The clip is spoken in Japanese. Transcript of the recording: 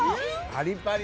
パリパリ！